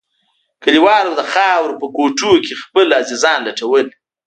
کليوالو د خاورو په کوټو کښې خپل عزيزان لټول.